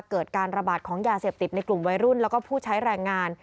เกิดการระบาดของยาเสพติดในกลุ่มวัยรุ่นแล้วก็ผู้ใช้แรงงาน